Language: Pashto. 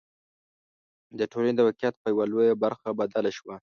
د ټولنې د واقعیت په یوه لویه برخه بدله شوه.